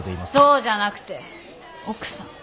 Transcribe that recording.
そうじゃなくて奥さん。